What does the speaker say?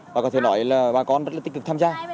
và có thể nói là bà con rất là tích cực tham gia